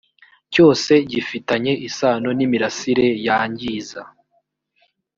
cyose gifitanye isano n imirasire yangiza